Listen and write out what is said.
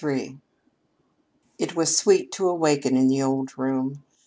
III It was sweet to awaken in the old room.